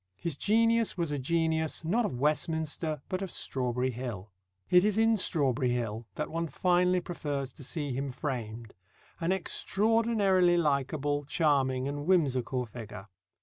His genius was a genius, not of Westminster, but of Strawberry Hill. It is in Strawberry Hill that one finally prefers to see him framed, an extraordinarily likeable, charming, and whimsical figure.